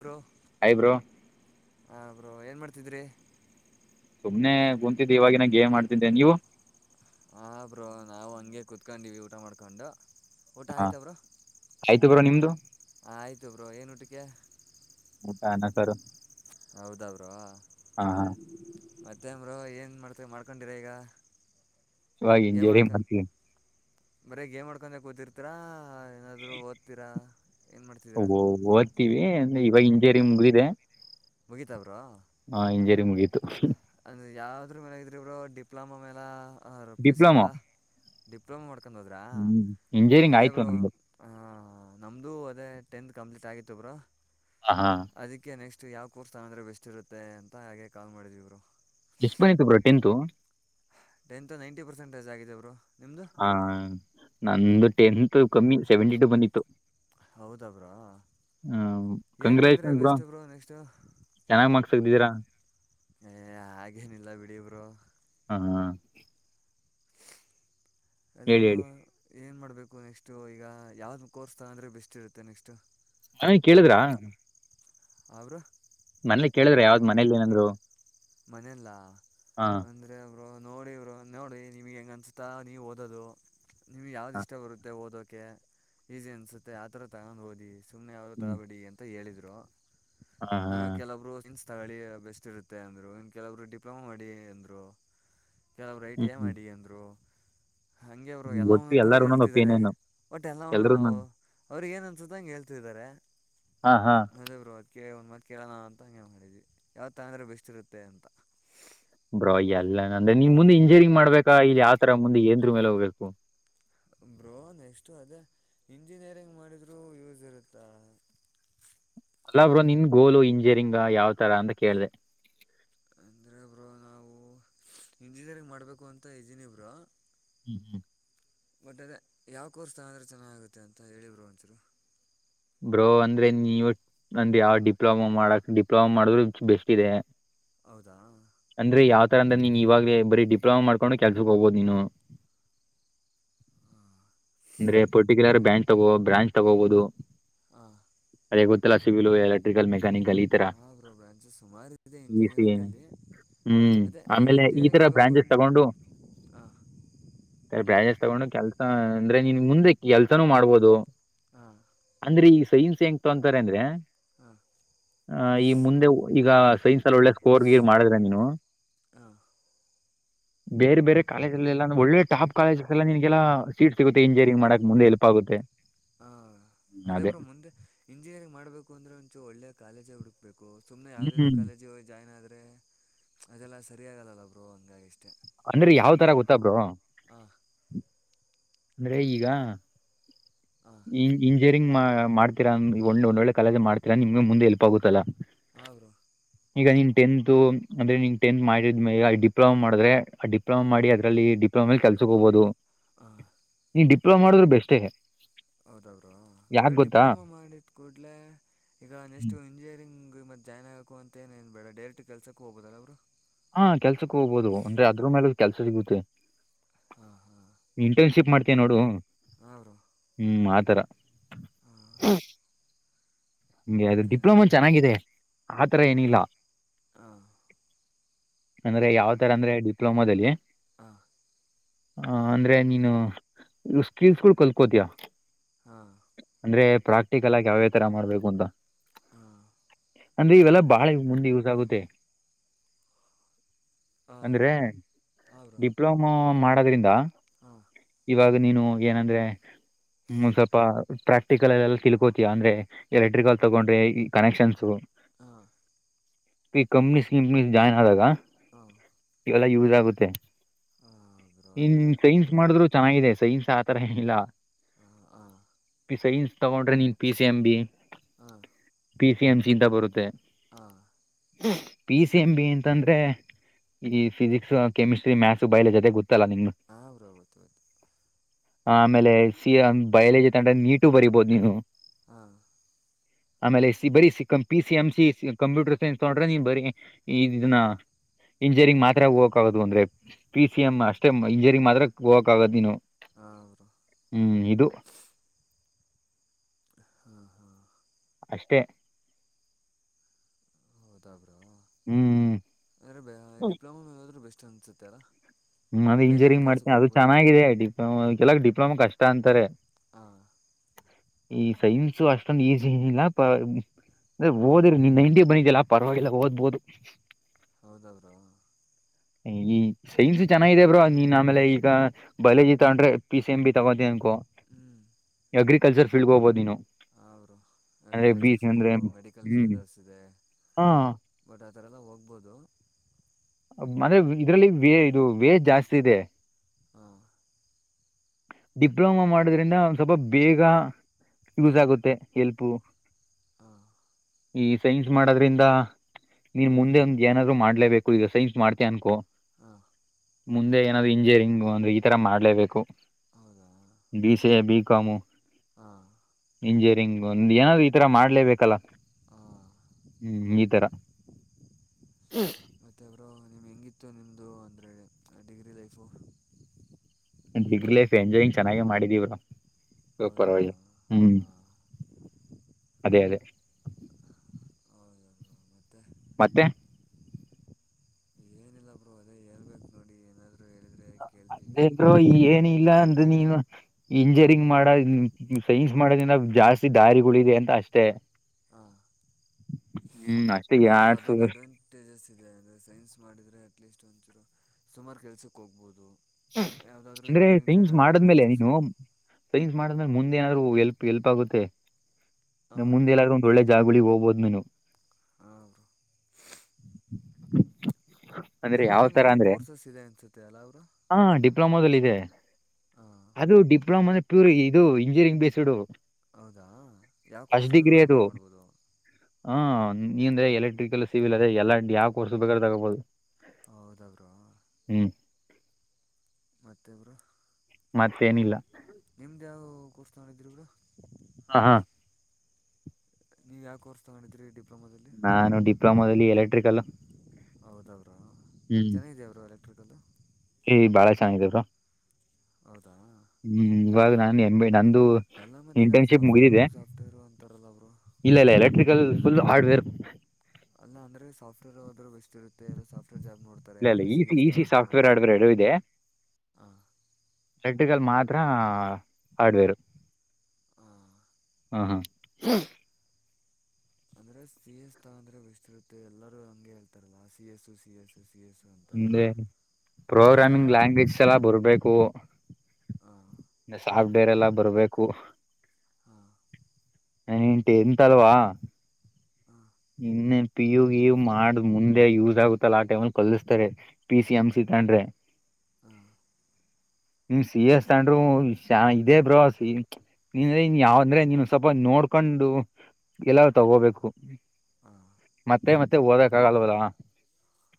Bro hi bro ನಾ ಬರೋ ಏನ್ ಮಾಡ್ತಿದ್ದೀರಿ ಸುಮ್ನೆ ಕುಂತಿದ್ದೆ, ಇವಾಗ್ ಗೇಮ್ ಮಾಡ್ತಿದ್ದೆ ಹ ಬೋ ನಾವು ಹಂಗೆ ಕುೂತ್ಕೊಂಡಿವವಿ ಊಟ ಮಾಡ್ಕೊಂಡು ಊಟ ಹಾ ಆಯ್ತಾ ಬ್ರೋ? ಆಯ್ತು ಬ್ರೋ ನಿಮ್ದು ಆಯ್ತು ಬ್ರೋ ಏನ್ ಊಟಕ್ಕೆ ಊಟ ಅನ್ನ ಸಾರು ಹೌದಾ ಬ್ರೋ ಹಾ ಹಾ ಮತ್ತೆ ಏನ್ ಬ್ರೋ ಏನು ಮಾಡ್ತೇವೆ ಮಾಡ್ಕೊಂಡಿರಾ ಈಗ? [inaudible] ಇವಾಗ ಏ ಮಡಕ? ಇಂಜಿನಿಯರಿಂಗ್ [inaudible] ಮಾಡ್ತೀವಿ ಬರೇ ಗೇಮ್ ಆಡ್ಕೊಂಡೆ ಕೂತಿರ್ತೀರಾ ಏನಾದ್ರು ಓದ್ತೀರಾ? [inaudible] ಮಾಡ್ತಿದ್ದೀರಾ ಓದ್ತಿವಿ ಇವಾಗ ಇಂಜಿನಿಯರಿಂಗ್ ಮುಗಿದೆ. [inaudible] ಮುಗೀತಾ ಬ್ರೋ? [inaudible] ಹಾ ಇಂಜಿನಿಯರಿಂಗ್ ಮುಗೀತು. [inaudible] ಅಂದರ ಯಾವದ್ರ ಮೇಲ ಇದ್ರಿ ಇಬ್ರು ಡಿಪ್ಲೊಮಾ ಮೇಲಾ ಅವರ ಪಿ ಯು ಸಿ ಡಿಪ್ಲೊಮಾ ಮೇಲಾ? [inaudible] ಡಿಪ್ಲೊಮಾ ಮಾಡ್ಕೊಂಡು ಹೋದ್ರಾ ಹ್ಮ್ ಇಂಜಿನಿಯರಿಂಗ್ ಅದೇ ಆಯ್ತು ಬ್ರೋ. ನಮ್ದು [inaudible] ಹ ನಮ್ಮದುೂ ಅದೇ ಟೆಂತ್ ಕಂಪ್ಲೀಟ್ ಆಗಿತ್ತು ಬ್ರೋ? [inaudible] ಹ ಹಾ [inaudible] ಅದಕ್ಕೆ ನೆಕ್ಸ್ಟ ಯಾವ ಕೋರ್ಸ್ ತಗೋಂದ್ರೆ ಬೆಸ್ಟ್ ಇರುತ್ತೆ ಅಂತ ಹಾಗೆ ಕಾಲ್ ಮಾಡಿದ್ವಿ ಇಬ್ರೋ. [inaudible] ಎಷ್ಟ point bro tenth? [inaudible] Tenth ninety percentage ಆಗಿದೆ ಬ್ರೋ ನಿಮ್ದು? [inaudible] ಹಾ ನಂದು ಟೆಂತ್ ಕಮ್ಮಿ ಸೆವೆಂಟಿ ಟು ಬಂದಿತ್ತು. [inaudible] ಹೌದ ಬ್ರೋ. [inaudible] ಏನ್ ಮಾಡಿದ್ರೆ ಬೆಸ್ಟು ಬ್ರೋ ನೆಕ್ಸ್ಟು. [inaudible] ಚೆನ್ನಾಗಿ ಮಾರ್ಕ್ಸ್ ತೆಗ್ದಿದ್ದೀರಾ ಏ ಹಾಗೇನಿಲ್ಲ ಬಿಡಿ ಬ್ರೋ? [inaudible] ಹಾ ಹ [inaudible] ಅದೇ ಹೇಳಿ ಬ್ರೋ ಹೇಳಿ ಏನು ಮಾಡಬೇಕು ನೆಕ್ಸ್ಟು ಈಗ ಯಾವ್ದ ಕೋರ್ಸ್ ತೊಗೋನಂದರೆೆ ಬೆಸ್ಟ್ ಇರುತ್ತೆ ನೆಕ್ಸ್ಟು? [inaudible] ಹಾ ಈ [inaudible] ಕೇಳಿದ್ರಾ? ಅವರು? [inaudible] ಮನೇಲಿ ಕೇಳಿದ್ರೆ ಯಾವ್ದ್ ಮನೇಲ್ಲ ಏನಂದರು? [inaudible] ಮನೇಲ್ಲ ಒಂದ [inaudible] ಅದೇ ಬ್ರೋ ನೋಡಿ ಬ್ರೋ ನೋಡಿ ನಿವ್ಗೆ ಹೆಂಗ ಅನ್ಸುತ್ತಾ ನೀವು ಓದದು. [inaudible] ನಿಮ್ಗೆ ಯಾವದ ಹಾ ಇಷ್ಟ ಬರುತ್ತೆ ಓದೋಕೆ ಈಸಿ ಅನ್ಸುತ್ತೆ ಆತರ ತಗೊಂಡ್ ಓದಿ. [inaudible] ಸುಮ್ನೆ ಯಾವ್ದು ಹ್ಮ್ ತಗೋಬೇಡಿ ಅಂತ ಹೇಳಿದರು ಹಾ ಹಾ ಆಮೇಲೆ ಕೆಲವೊಬ್ಬರು ಇನ್ಸ [inaudible] ತಳಿ ಬೆಸ್ಟ್ ಇರುತ್ತೆ ಅಂದ್ರು ಇನ್ ಕೆಲವರು ಡಿಪ್ಲೊಮಾ ಮಾಡಿ ಎಂದರು, [inaudible] ಕೆಲವರು ಹ್ಮ್ ಐಟಿಐ ಹ್ಮ್ ಮಾಡಿ ಅಂದ್ರು. [inaudible] ಹಂಗೆ ಅವರು ಹ್ಮ್, ಎಲ್ಲಾ ಒಂದ ಒಟ್ಟು ಒಂದ ತರಾ ಎಲ್ಲಾರು ಒಂದೊಂದು ಹೇಳ್ತಿದಿದ್ದಾರೆ ಒಪಿನಿಯನ್ ಒಟ್ಟ ಎಲ್ಲ ಎಲ್ರು ಒನನ ಆವ [inaudible] ಅವರಿಗೆ ಅನ್ಸುತ್ತೆ ಹಂಗ ಹೇಳ್ತಿದ್ದಾರೆ. [inaudible] ಹಾ ಹಾ [inaudible] ಅದೇ ಬ್ರೋ ಅದಕ್ಕೆ ಒಂದು ಮಾತ ಕೇಳೋ ಅಂತ ಹಂಗೆ ಮಾಡಿದ್ವಿ ಯಾವ ತೋನಂದೋರು ಬೆಸ್ಟ್ ಇರುತ್ತೆ ಅಂತ. [inaudible] ಬ್ರೋ ಎಲ್ಲ ನಂದೇ ನೀ ಮುಂದೆ ಇಂಜಿನಿಯರಿಂಗ ಮಾಡಬೇಕಾ ಇದ ಯಾವತರಾ ಮುಂದೆ ಏನರ ಮೇಲೆ ಹೋಗಬೇಕು. [inaudible] ಬ್ರೋ ನೆಕ್ಸ್ಟು ಅದೇ ಇಂಜಿನಿಯರಿಂಗ್ ಮಾಡಿದ್ರೂ ಯೂಸ್ ಇರುತ್ತಾ? [inaudible] ಅಲ್ಲಾ ಬ್ರೋ ನಿನ್ ಗೋಲು ಇಂಜಿನಿಯರಿಂಗ್ ದಾ ಯಾವ್ ತರಾ ಅಂತ ಕೇಳದೇ. [inaudible] ಅಂದರೆ ಬ್ರೋ ನಾವು ಇಂಜಿನಿಯರಿಂಗ್ ಮಾಡಬೇಕು ಅಂತ ಇದಿನಿ ಬ್ರೋ [inaudible] ಹೂ ಹೂ [inaudible] ಮತ್ತ ಅದೇ ಯಾವ ಕೋರ್ಸ್ ತೊಗೊಂಡ್ರೆ ಚೆನ್ನಾಗುತ್ತೆ ಅಂತ ಹೇಳಿ ಬ್ರೋ ಒಂದ್ ಸಲಾ? [inaudible] ಬ್ರೋ ಅಂದ್ರೆ ನೀವು ನಂದ ಯಾವ ಡಿಪ್ಲೊಮಾ ಮಾಡಕ್ ಡಿಪ್ಲೊಮಾ ಮಾಡಿದ್ರರು ಬೆಸ್ಟ್ ಇದೆ. [inaudible] ಹೌದಾ? [inaudible] ಅಂದ್ರೆ ಯಾವ ತರ ಅಂದ್ರೆ ನೀನ್ ಇವಾಗಲೇ ಬರಿ ಡಿಪ್ಲೊಮಾ ಮಾಡಕೊಂಡು ಕೆಲಸಕ್ಕ ಹೋಗಬೋದು ನೀನು. [inaudible] ಹಾ [inaudible] ಅಂದ್ರೆ ಪರ್ಟಿಕ್ಯುಲರ್ ಬ್ಯಾಂಡ್ತಗೋ ಬ್ರೆಂಚ್ ತಗೋಬಹುದು. [inaudible] ಹಾ [inaudible] ಅಯ್ಯ ಗೊತ್ತಲ್ಲ ಸಿಗಲು ಬಾಯ್ ಎಲೇಟ [inaudible] ಮೆಕ್ಯಾನಿಕಲ್ ಈ ತರ ಹಾಂ ಬ್ರೋ ಬ್ರಾಂಚಸ್ ಸುಮಾರು ಇದೆ ಈ ಇಂಜಿನಿಯರಿಂಗಲ್ಲಿ ಹ್ಮ್ ಅದೇ ಆಮೇಲೆ ಈ ಇಂಜಿನಿಯರಿಂಗ್ ತರ ಹೋಗಬೇಕು ಬ್ರಾಂಡೆಡ್ ಅನ್ ತಗೊಂಡು ಹಾಂ ಎ ಬ್ರಾಂಡೆಡ್ ತಗೊಂಡು ಕೆಲ್ಸ ಅಂದ್ರೆ ನಿನ್ ಮುಂದೆ ಎಲ್ತನೂ ಮಾಡ್ಬೋದು ಹಾಂ ಅಂದ್ರೆ ಈ ಸೈನ್ಸ್ ಹೆಂಗ ತಕೊಂತಾರೆ ಅಂದ್ರೆ ಹಾಂ ಆ ಈ ಮುಂದೆ ಈಗ ಸೈನ್ಸ್ ಅಲ್ಲಿ ಒಳ್ಳೆ ಸ್ಕೋರ್ ಗಿರ್ ಮಾಡಿದ್ರೆ ನೀನು ಅಂ ಬೇರೆ ಬೇರೆ ಕಾಲೇಜ್ ಎಲ್ಲ ಒಳ್ಳೆ ಟಾಪ್ ಕಾಲೇಜಸ್ ಎಲ್ಲ ನಿನೀನ್ಗೆಲ್ಲ ಸೀಟ್ ಸಿಗುತ್ತೆ ಇಂಜಿನಿಯಂಗ್ ಮಾಡಕ್ ಮುಂದೆ ಹೆಲ್ಪ್ ಆಗುತ್ತೆ ಹ ಅದೇ ಬ್ರೋ ಮುಂದೆ ಇಂಜಿನಿಯರಿಂಗ್ ಮಾಡ್ಬೇಕು ಅಂದ್ರೆ ಒಂಚು ಒಳ್ಳೆ ಕಾಲೇಜ ಹುಡುಕ್. ಬೇಕು ಸುಮ್ಮನೆ ಯಾವವುದೋ ಹ್ಮ್ ಕಾಲೇಜಿಗೆ ಜಾಯ್ನ್ ಆದ್ರರೆ ಅದೆಲ್ಲ ಸರಿ ಆಗಲ್ಲಲ್ಲ ಬ್ರೋ ಹಂಗಾಗಿಷ್ಟೇ. ಅಂದ್ರೆ ಯಾವ್ ತರ ಗೊತ್ತ ಬ್ರೋ ಅಂ. ಏಯ್ ಈಗ ಹಾಂ ಈ. ಇಂಜಿನಿಯರಿಂಗ್ ಮಾಡ್ತಿರ ಅನ್ಕೊಂಡು ಒಂದು ಒಳ್ಳೆ ಕಾಲೇಜ್ ಮಾಡ್ತತಿರಾ ನಿಮ್ಗೆ ಮುಂದೆ ಹೆಲ್ಪ್ ಆಗುತ್ತಲ್ಲ. ಹಾಂ ಬ್ರೋ [inaudible] ಈಗ ನಿನ್ ಟೆಂತ್ತ್ತು ಅಂದ್ರೆ ಟೆಂತ್ ಮಾಡಿದ ಈಗ ಡಿಪ್ಲೊಮಾ ಮಾಡಿದ್ರೆ ಡಿಪ್ಲೊಮಾ ಮಾಡಿ ಅದ್ರಲ್ಲಿ. ಸೊ ಆಮೇಲೆ ಕೆಲ್ಸಕ್ಕೆ ಹೋಗಬಹುದು. ಹಾಂ ನೀ ಡಿಪ್ಲಮಾ ಮಾಡಿದ್ರೆ ಬೆಸ್ಟೇ. ಹೌದ ಬ್ರೋ ಯಾಕ್ ಅಂದ್ರೆ ಗೊತ್ತಾ ಡಿಪ್ಲೊಮಾ ಮಾಡಿದ್ ಕೂಡ್ಲೆ. ಈಗ ನೆಕ್ಸ್ಟ್ ಹ್ಮ್. ಇಂಜಿಯರಿಂಗ್ ಮತ್ ಜಾಯಿನ್ ಆಗಬೇಕು ಅಂತ ಏನ್ ಬೇಡ ಡೈರೆಕ್ಟ್ ಕೆಲ್ಸಕ್ಕೆ ಹೋಗೋುದಲ್ಲಾ ಬ್ರೋ. ಹಾ ಕೆಲ್ಸಕ್ ಹೋಗ್ಬಹುದು ಅಂದ್ರೆ ಅದ್ರ ಮೇಲು ಕೆಲ್ಸ ಸಿಗುತ್ತೆ. ಹಾಂ ಹಾ. ನಿ ಇಂಟರ್ನ್ಶಿಪ್ ಮಾಡ್ತೇ ನೋಡು. ಹಾಂ ಬ್ರೋ ಹ್ಮ್ ಆತರ. ಹಾಂ ಅದು ಮತ್ತೆ ಡಿಪ್ಲೊಮೋ ಚೆನ್ನಾಗಿದೆ ಆತರ ಏನಿಲ್ಲ. ಹಾಂ ಅಂದ್ರೆ ಯಾವ್ ತರ ಅಂದ್ರೆ ಡಿಪ್ಲೋಮದಲ್ಲಿ. ಹಾಂ. ಹಾಂ ಅಂದ್ರೆ ನೀನು ಸ್ಕಿಲ್ಸ್ ಗಳು ಕಲ್ಕೋತಿಯ. ಹಾಂ ಅಂದ್ರೆ ಪ್ರಾಕ್ಟಿಕಲ್ ಆಗಿ ಯಾವಾವ ತರ ಮಾಡ್ಬೇಕು ಅಂತ. ಹಾಂ. ಅಂದ್ರೆ ಇವೆಲ್ಲಾ ಬಾಳ ಮುಂದೆ ಯೂಸ್ ಆಗುತ್ತೆ. ಹಾಂ ಅಂದ್ರೆ ಹಾಂ ಡಿಪ್ಲೊಮಾ ಮಾಡೋದ್ರಿಂದ. ಹಾಂ. ಇವಾಗ ನೀನು ಏನಂದ್ರೆ ಮುಸಪ. ಪ್ರಾಕ್ಟಿಕಲ್ಲ್ಲ ಎಲ್ಲ ತಿಳ್ಕೋತಯಾ ಅಂದ್ರೆ ಎಲೆಕ್ಟ್ರಿಕಲ್ ತಗೊಂಡ್ರೆ ಈ ಕನೆಕ್ಷನ್ಸ್. ಹಾಂ. ಕ ಕಂಪ್ನಸ್ ಗಿಪನಿಸ್ ಜೈನ್ ಆದಾಗ. ಹಾಂ. ಇವೆಲ್ಲ ಯೂಸ್ ಆಗುತ್ತೆ ಹಾಂ ಬ್ರೋ ಇನ್ ಅಂದರೆ ಸೈನ್ಸ್ ಮಾಡಿದ್ರು. ಚನ್ನಾಗಿದೆ ಸೈನ್ಸ ಆ ತರ ಏನಿಲ್ಲ. ಅಂ ಹಾ. ಸೈನ್ಸ್ ತಗೊಂಡ್ರೆ ನೀನ್ ಪಿ ಸಿ ಎಂ ಬಿ ಹಾ ಪಿ ಸಿ ಎಮ್ ಜಿ ಯಿಂದ ಬರುತ್ತೆ ಹಾ ಪಿ ಸಿ ಎಂ ಬಿ ಅಂತಂದ್ರೆ ಈ ಫಿಸಿಕ್ಸ್ ಕೆಮಿಸ್ಟ್ರಿ ಮ್ಯಾಥಸ್ ಬಯಲಾಜಿ ಜೊತೆ ಗೊತ್ತಲ್ಲ ನಿಮ್ಗೆ ಸಾ ಬ್ರೋ ಗೊತ್ತದ ಆಮೇಲೆ ಸಿ ಬಯಲೋಜಿ ತಗೊಂಡ್ರೆ ನೀಟು ಬರಿಬೋದು ನೀವು ಹಾ ಆಮೇಲೆ ಬರೀ C P C M C computer science ತಗೊಂಡ್ರೆ ನೀನ್ ಬರೀ ಇದನ್ನ ಇಂಜಿನಿಯರಿಂಗ್ ಮಾತ್ರ ಹೋಗೋಕ ಆಗೋದು ಅಂದ್ರೆ ಪಿ ಸಿ ಎಂ ಅಷ್ಟೇ ಇಂಜಿನಿಯರಿಂಗ್ ಮಾತ್ರ ಹೋಗಕ್ ಆಗೋದ ನೀನು ಹಾ ಹ್ಮ್ ಇದು ಹಾ ಹಾ ಅಷ್ಟೇ ಹೌದಾ ಬ್ರೋ ಹ್ಮ್ ಅಂದ್ರೆ ಡಿಪ್ಲೊಮಾದ್ರರು ಬೆಸ್ಟ್ ಅನ್ಸುತ್ತೆ ಅಲ್ಲಾ ಹ್ಮ್ ಅದು ಇಂಜಿನಿಯರಿಂಗ ಮಾಡ್ತೇನಿ ಅದು ಚೆನ್ನಾಗಿದೆ ಡಿಪ್ಲೋಮಾ ಕೆಲ ಡಿಪ್ಲೊಮಾ ಕಷ್ಟ ಅಂತಾರೆ ಹಾ ಈ ಸೈನ್ಸ್ ಅಷ್ಟೊಂದು ಈಸಿ ಏನಿಲ್ಲ ಅದ ಓದಿರಿ ನಿನ್ನ ನೈಟಿ ಬಂದಿದ್ದಲ್ಲ ಪರವಾಗಿಲ್ಲ ಓದ್ಬೋದು ಹೌದಾವ್ರಾ. ಈ ಸೈನ್ಸ. ಚೆನ್ನಾಗಿ ಇದೆ ಬ್ರೋ ನೀನ್ ಆಮೇಲೆ ಈಗ ಬಯೋಲಾಜಿ ತಗೊಂಡ್ರೆ ಪಿ ಸಿ ಎಂ ಬಿ ತಗೋತಿ ಅನ್ಕು. ಹ್ಮ್. ಅಗ್ರಿಕಲ್ಚರ್ ಫೀಲ್ಡ್ ಹೋಗಬದು ನೀನು. ಸಾ ಬ್ರೋ ಅಂದ್ರೆ ಬಿ ಅಗ್ರಿಕಲ್ಚರ್ ಫೀಲ್ಡು ಅಂದ್ರೆ ಮೆಡಿಕಲ್ ಹ್ಮ್ ಫೀಲ್ಡಸ್ ಇದೆ. ಹಾ ಬಟ್ ಆ ಥರ ಎಲ್ಲ ಹೋಗ್ಬೋದು.. ಮತ್ತೆ ಇದ್ರಲ್ಲಿ ವೇ ಇದು ವೇಜ್ ಜಾಸ್ತಿ ಇದೆ. ಹಾ. ಡಿಪ್ಲೊಮಾ ಮಾಡೋದ್ರಿಂದ ಒಂದು ಸ್ವಲ್ಪ ಬೇಗ ಯೂಸ್ ಆಗುತ್ತೆ ಹೇಲ್ಪು. ಹಾ. ಈ ಸೈನ್ಸ್ ಮಾಡೋದ್ರಿಂದ. ನೀನ್ ಮುಂದೆ ಒಂದ್ ಏನಾದರು ಮಾಡಲೇಬೇಕು ಈಗ ಸೈನ್ಸ್ ಮಾಡತಿಯಾ ಅನ್ಕೋ. ಹಾ. ಮುಂದೆ ಏನಾದ್ರು ಇಂಜಿನಿಯರಿಂಗ್ ಅಂದ್ರೆ ಈ ತರ ಮಾಡ್ಲೇಬೇಕು. ಹೌದಾ. B C A B com. ಹಾ. ಇಂಜಿನಿಯರಿಂಗ್ ಒಂದ್ ಏನಾದ್ ಈ ತರ ಮಾಡ್ಲೇಬೇಕಲ್ಲಾ. ಹಾಂ ಹ್ಮ್ ಈ ತರಾ. ಮತ್ತ ಬ್ರೋ ನಿಮ್ಮ ಹೆಂಗಿತ್ತು ನಿಮ್ಮದು ಅಂದರೆ degree life. Degree life enjoying ಚೆನ್ನಾಗಿ ಮಾಡಿದೀವ ನಾವ. ಹೌದಬ್ರೋ ಹಾಂ. ಅದೇ ಅದೇ. ಹೌದ ಹೌದು ಮತ್ತೆ ಮತ್ತೆ. ಏನಿಲ್ಲ ಬ್ರೋ ಅದೇ ಹೇಳ್ಬೇಕು ನೋಡಿ ಏನಾದ್ರು ಹೇಳಿದ್ರೆ ಕೇಳ್ತೀವಿ. ಅದೇ ಬ್ರೋ ಏನ ಇಲ್ಲ ಅಂದ್ರೆ ನೀನು. ಇಂಜಿನಿಯರಿಂಗ್ ಮಾಡ ಸೈನ್ಸ್ ಮಾಡೋದಿಂದ ಜಾಸ್ತಿ ದಾರಿಗಳ ಇದೆ ಅಂತ ಅಷ್ಟೇ. ಹಾ. ಹ್ಮ್. ಹಾಂ ಬ್ರೋ ಆರ್ಟ್ಸ್ ಅದೊಂದ್ ಅಡ್ವಾಂಟ ಸ್ಟೇಜಸ್ ಇದೆ ಅಂದರೆ ಸೈನ್ಸ್ ಮಾಡಿದರೆ ಅಟ್ಲೀಸ್ಟ್ ಒಂಚೂರು ಸುಮಾರು ಕೆಲ್ಸಕ್ಕೆ ಹೋಗ್ಬೋದು ಯಾವುದಾದ್ರೂ ಅಂದ್ರೆ ಇಂಜಿನಿಯರಿಂಗ್ ಸೈನ್ಸ್ ಜಾಯ್ನ್ ಆದರೂ ಮಾಡದ್ಮೇಲೆ ನೀನು ಬ್ರ್ಯಾಂಚಸ್ಗಳು ಸೈನ್ಸ್ ಮಾಡಿದ್ರೆ ಮುಂದೆ ಏನಾದ್ರೂ ಹೆಲ್ಪ್ ಹೆಲ್ಪ್ ಆಗುತ್ತೆ ಹಾಂ ಮುಂದೆ ಏನಾದ್ರು ಒಳ್ಳೆ ಜಾಬ್ ಗಳಿಗೆ ಹೋಗ್ಬಹದು ನೀನು ಹಾಬ್ರೋ ಹಾ ಡಿಪ್ಲೊಮಾದಲ್ಲೂ ಕೋರ್ಸಸ್ ಇದೆ ಅನ್ಸುತ್ತೆ ಅಲ್ಲಾ ಬ್ರೋ ಹಾ ಡಿಪ್ಲೊಮಾದದಲ್ಲಿ ಇದೆ ಹಾ ಅದು ಡಿಪ್ಲೊಮಾ ಅ ಪ್ಯೂರ್ ಇದು ಇಂಜಿನಿಯರಿಂಗ್ ಬೇಸ್ಡು ಹೌದಾ ಯಾವ ಕೋರ್ಸ ಆದ್ರರು ಅದು ಬೈ ಮಾಡ್ಬೋದು ಹಾ ನೀಂದ್ರೆ ಎಲೆಕ್ಟ್ರಿಕಲ್ ಸಿವಿಲ್ ಅದೆ ಎಲ್ಲಾ ಯಾವ ಕೊರ್ಸು ಬೇಕಾರ ತಗೋಬಹುದು ಹೌದಾ ಬ್ರೋ ಹ್ಮ್ ಮತ್ತೆನ ಬ್ರೋ ಮತ್ತೇನಿಲ್ಲಾ ನಿಮ್ದ ಯಾವ ಕೋರ್ಸ್ ತಗೊಂಡಿದ್ದೀರಿ ಬ್ರೋ ಹಾ ಹಾ ನೀವು ಯಾವ ಕೋರ್ಸ್ ತಗೊಂಡಿದ್ರಿ ಡಿಪ್ಲೊ ನಾನು ಡಿಪ್ಲೊಮಾದಲ್ಲಿ ಎಲೆಕ್ಟ್ರಿಕ್ ಲ್ಲು ಹೌದ ಬ್ರೋ ಚೆನ್ನಾಗಿದೆಯೇ ಬ್ರೋ ಎಲೆಕ್ಟ್ರಿಕಲ್ಲು, ಏ ಬಾಳ ಚೆನ್ನಾಗಿದೆ ಬ್ರೋ ಹೌದಾ ಹ್ಮ್ ಇವಾಗ ನಾನು ಎಂ ಎ ನಂದು ಎಲ್ಲಾ ಮತ್ತ ಈಗ ಇಂಟರ್ನ್ಶಿಪ್ ಸಾಪ್ಟ್ವೇರ್ ಮುಗಿದಿದೆ ಸಾಫ್ಟ್ವೇರ್ ಅಂತಾರಲ್ಲ ಬ್ರೋ, ಇಲ್ಲ ಇಲ್ಲ ಎಲೆಕ್ಟ್ರಿಕಲ್ ಫುಲ್ ಹಾರ್ಡ್ ವೇರ್ ಅಲ್ಲ ಅಂದ್ರೆ ಸಾಫ್ಟ್ವೇರ್ ಓದ್ರಿ ಬೆಸ್ಟ್ ಇರುತ್ತೆ ಎಲ್ಲ ಸಾಫ್ಟವೇರ್ ಜಾಬ್ ನೋಡ್ ಇಲ್ಲ ಇಲ್ಲ ಈ ಸಿ ಈಸಿ ಸಾಪ್ಟ್ವೇರ್ ಎರಡದಲು ವ್ಯಾಲಿವ ಇದೆ ಹಾಂ ಪ್ರಾಕ್ಟಿಕಲ್ ಮಾತ್ರ ಹಾರ್ಡ್ವೇರ್ ಹ್ಮ ಹಾ ಹಾ ಅಂದ್ರೆ ಸಿ ಎಸ್ ತಗೋಂಡರೆ ಬೆಸ್ಟ್ ಇರುತ್ತೆ ಎಲ್ಲರೂ ಹಂಗೆ ಹೇಳ್ತಾರಲ್ಲ C S C S C S, programming language ಎಲ್ಲ ಬರ್ಬೇಕು ಹಾ ಸಾಫ್ಟ್ವೇರ್ ಎಲ್ಲಾ ಬರ್ಬೇಕು ಹಾ ನೇಟ ಎಂಟ ಅಲವಾ ಹಾ ಇನ್ನೆ ಪಿ ಯು ಗಿಯು ಇ ಮಾಡ್ ಮುಂದೆ ಯೂಸ್ ಆಗುತ್ತಲ್ಲ ಆ ಟೈಮಲ್ಲಿ ಕಲಿಸ್ತಾರೆ. ಪಿ ಸಿ ಎಂ ಸಿ ತಗಂಡೆ. ಹಾ ನೀವ್ ಸಿ ಎಸ್ ತಗಂಡ್ರು ಸ ಇದೇ ಬ್ರೋ ಸಿ ನೀವೇ ಇನ್ನ್ ಯಾವನ್ದ್ರೆ ನೀನು ಸ್ವಲ್ಪ ನೋಡ್ಕೊಂಡು ಎಲ್ಲ ತಗೋಬೇಕು. ಹಾ ಮತ್ತೆ ಮತ್ತೆ ಓದಕ್ಕ ಆಗಲ್ವಲ್ಲಾ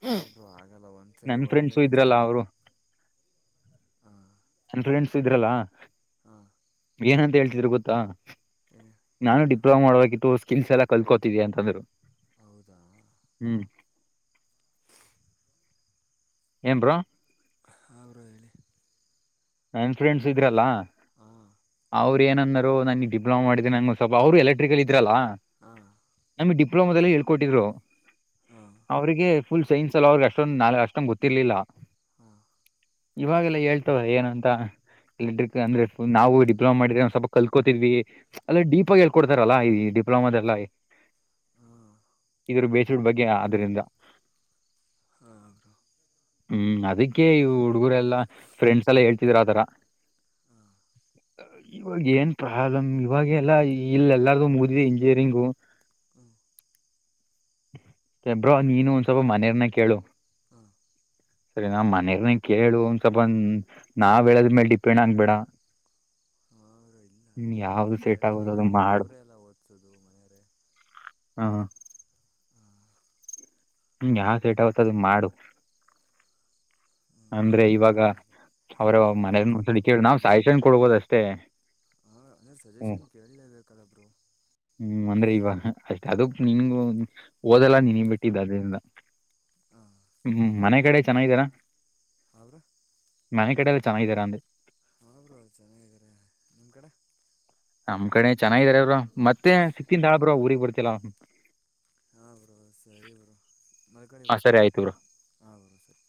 ಹಾ ಬ್ರೋ ಆಗಲ್ಲ ಒಂದ್ಸಲಿ ನನ್ ಓದದೇ ಫ್ರೆಂಡ್ಸು ಕಷ್ಟ ಇದ್ರಲ್ಲ ಆಗೈ ಅವರು ಹಾ ನನ್ ಫ್ರೆಂಡ್ಸ್ ಇದ್ರಲ್ಲಾ ಹಾ ಏನಂತ ಹೇಳ್ತಿದ್ರು ಗೊತ್ತಾ. ಏನ್ ನಾನು ಡಿಪ್ಲೊಮಾ ಮಾಡ್ಬೇಕಿತ್ತು ಸ್ಕಿಲ್ಸ್ ಎಲ್ಲ ಕಲ್ತ್ಕೋತಿದಿದ್ದಿ ಅಂತಂದ್ರು. ಹೌದಾ ಹ್ಮ್ ಏ ಬ್ರೋ ಹಾ ಬ್ರೋ ಹೇಳಿ ನನ್ ಫ್ರೆಂಡ್ಸ್ ಇದ್ರಲ್ಲ ಹಾ ಅವ್ರ್ ಏನಂದರು ನನ್ಗ್ ಡಿಪ್ಲಮ ಮಾಡಿದೆನ ನಂಗ್ ಸ್ವಲ್ಪ ಅವ್ರು ಎಲೆಕ್ಟ್ರಿಕಲ್ ಇದ್ರಲ್ಲಾ. ಹಾ ನಮಿಗ್ ಡಿಪ್ಲೋಮಾದಲ್ಲಿ ಹೇಳ್ ಕೊಟ್ಟಿದ್ರು. ಹಾ ಅವ್ರಿಗೆ ಫುಲ್ ಸೈನ್ಸ್ ಅಲ ಅವ್ರಿಗೆ ಅಷ್ಟೊಂದ್ ನಾರ್ ಅಷ್ಟೊಂದ್ ಗೊತ್ತಿರ್ಲಿಲ್ಲ. ಹಾ ಇವಾಗ್ಲೆ ಹೇಳ್ತವ್ರ್ ಏನಂತ್ ತಾ [unintelligible] ಅಂದ್ರೆ ನಾವು ಡಿಪ್ಲೋಮಾ ಮಾಡಿದಿವ್ ಸ್ವಲ್ಪ ಕಲ್ಕೋತಿದ್ವಿ ಅಲ್ಲ ಡೀಪ್ ಆಗ್ ಹಾಂ ಹೇಳ್ ಕೊಟ್ಟ್ ರಲ್ಲಾ ಈ ಡಿಪ್ಲೋಮದೆಲ್ಲ ಹಾ ಇದ್ರು ಬೇಸಡ್ ಬಗ್ಗೆ ಆದರಿಂದ ಅವರು ಹ್ಮ್ ಅದಕ್ಕೆೇ ಇವ್ಳ್ ಹುಡುಗ್ರೆಲ್ಲಾ ಫ್ರೆಂಡ್ಸ್ ಎಲ್ಲಾ ಹೇಳ್ತಿದ್ರ್ ಆತರ. ಹಾ ಇವಾಗ್ ಏನ್ ಪ್ರಾಬ್ಲಮ್ ಇವಾಗ್ ಎಲ್ಲಾ ಇಲ್ಲ್ ಎಲ್ಲಾರ್ದು ಮುಗ್ದಿದೆ ಇಂಜಿನಿಯರಿಂಗು ಹಾ ತ್ತೆ ಬ್ರೋ ನೀನು ಒಂದ್ ಸ್ವಲ್ಪ ಮನೆಯರ್ನ್ನ ಕೇಳು. ಹಾ ಸರಿ ನಾ ಮನೆಯರ್ನ ಕೇಳು ಒಂದ್ [unintelligible] ನಾವ್ ಹೇಳದ್ಮೇಲೆ ಡಿಪೆಂಡ್ ಆಗ್ಬೇಡ. ಹಾ ಇಲ್ಲ ನೀನ್ ಯಾವ್ದು ಮನೇಲ್ ಸೆಟ್ ಆಗೋದು ಕೇಲ್ಲೇಬೇಕ್ ಅದು ಯಾಕೆಂದ್ರೆ ಅವ್ರೆ ಅಲ್ಲ ಓದ್ಸೋದು ಮನೆಯರೆ. ಹಾ [inaudible] ನೀನ್ ಯಾ ಕೆ [unintelligible] ಮಾಡು ಅಂದ್ರೆ ಹ್ಞೂ ಇವಾಗ ಹೌದು ಅವ್ರ ಮನೆಯ ಮು ಯಾವ್ದಾಗುತ್ತೋ [unintelligible] ಕೇಳಿ ನಾವ್ ಸಾಯಿಷೊಂಡ್ ಕೊಡ್ಬೋದ್ ಅಷ್ಟೇ ಹಾ ಅಂದ್ರೆ ಹ್ಮ್ ಸಜೆಷನ್ ಕೇಲ್ಲೇಬೇಕಲ್ಲ ಬ್ರೋ. ಹ್ಮ್ ಅಂದ್ರೆ ಇವ ಅದುಕ್ ನೀನು ಓದಲ್ಲ ನಿನಿಗ್ ಬಿಟ್ಟಿದ್ ಅದ್ರಿಂದ ಹಾ ಹ್ಮ್ ಮನೆ ಕಡೆ ಚೆನ್ನಾಗಿದ್ದಾರಾ ಹೌರ ಮನೆ ಕಡೆ ಎಲ್ಲಾ ಚೆನ್ನಾಗಿದ್ದಿರಂದೆ ಹಾ ಬ್ರೊ ಚೆನ್ನಾಗಿದಾರೆ ನಿಮ್ ಕಡೆ ನಮ್ ಕಡೆ ಚೆನ್ನಾಗಿದ್ದರೆ ಬ್ರೊ ಮತ್ತೆ ಸಿಕ್ತಿಂದ ಬ್ರೊ ಊರಿಗ್ ಬರ್ತಿಲ್ಲ ಹಾಂ ಬ್ರೊ ಸರಿ ಬ್ರೊ ಮಲ್ಕೊಳಿ ಹಾ ಬ್ರೊ ಸರಿ ಆಯ್ತು ಬ್ರೋ ಹಾಂ ಬ್ರೋ ಸರಿ